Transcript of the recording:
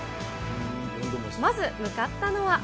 まず向かったのは。